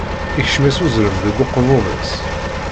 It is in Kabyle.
Ikcem-as uzrem deg ukebbuḍ-is.